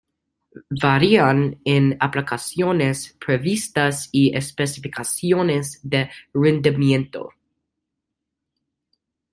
Varían en aplicaciones previstas y especificaciones de rendimiento.